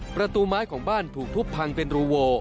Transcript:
ประตูไม้ของบ้านถูกทุบพังเป็นรูโว